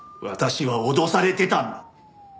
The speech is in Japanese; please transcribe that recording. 私は脅されてたんだ。